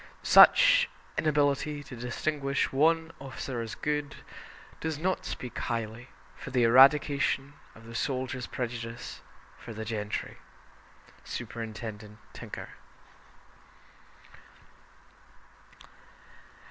Such inability to distinguish one officer as "good" does not speak highly for the eradication of the soldiers' prejudice for the gentry. (Superintendent Tinker.)